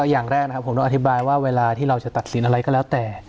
อย่างแรกนะครับผมต้องอธิบายว่าเวลาที่เราจะตัดสินอะไรก็แล้วแต่